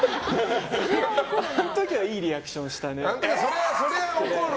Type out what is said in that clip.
あの時はいいリアクションしたね。